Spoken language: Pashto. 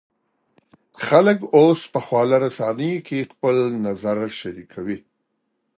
خلک اوس په خواله رسنیو کې خپل نظر شریکوي.